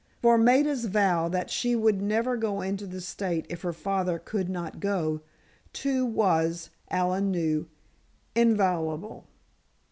For Maida's vow that she would never go into the state if her father could not go, too, was, Allen knew, inviolable.